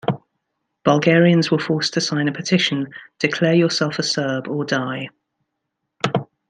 Bulgarians were forced to sign a petition Declare yourself a Serb or die.